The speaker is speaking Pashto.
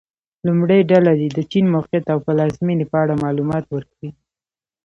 لومړۍ ډله دې د چین موقعیت او پلازمېنې په اړه معلومات ورکړي.